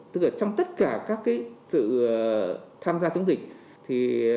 tức là trong tất cả các sự tham gia chống dịch